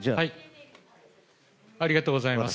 ありがとうございます。